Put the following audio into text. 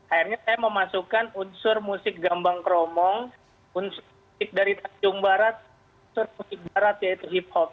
akhirnya saya memasukkan unsur musik gambang kromong unsur musik dari tanjung barat unsur musik barat yaitu hip hop